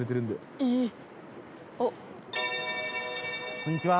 こんにちは。